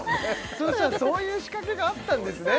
そうしたらそういう仕掛けがあったんですね